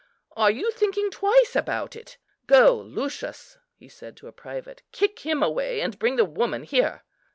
Are you thinking twice about it? Go, Lucius," he said to a private, "kick him away, and bring the woman here."